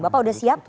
bapak udah siap